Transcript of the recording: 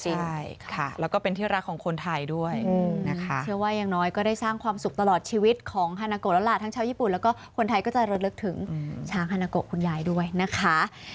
ใช่ค่ะแล้วก็เป็นที่รักของคนไทยด้วยนะคะเชื่อว่าอย่างน้อยก็ได้สร้างความสุขตลอดชีวิตของฮานาโกะแล้วล่ะทั้งชาวญี่ปุ่นแล้วก็คนไทยก็จะระลึกถึงช้างฮานาโกคุณยายด้วยนะคะ